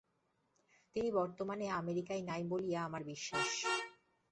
তিনি বর্তমানে আমেরিকায় নাই বলিয়াই আমার বিশ্বাস।